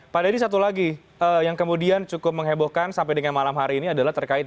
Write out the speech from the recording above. pak dedy satu lagi yang kemudian cukup menghebohkan sampai dengan malam hari ini adalah terkait